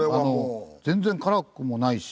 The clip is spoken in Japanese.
全然辛くもないし。